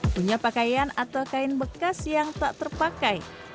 punya pakaian atau kain bekas yang tak terpakai